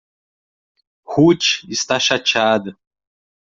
Ruth está chateada.